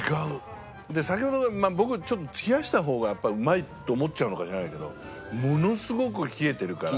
先ほどまあ僕ちょっと冷やした方がやっぱうまいと思っちゃうのか知らないけどものすごく冷えてるから。